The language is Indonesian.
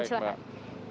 ya baik pak